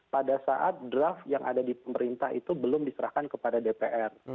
pada saat draft yang ada di pemerintah itu belum diserahkan kepada dpr